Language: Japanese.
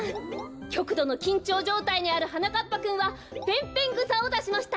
きょくどのきんちょうじょうたいにあるはなかっぱくんはペンペングサをだしました。